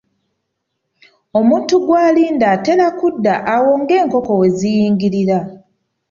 Omuntu gw'alinda atera kudda awo ng'enkoko we ziyingirira.